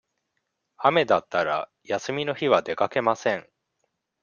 雨だったら、休みの日は出かけません。